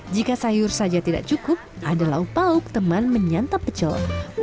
jika sayur saja tidak cukup ada lauk pauk teman menyantap pecel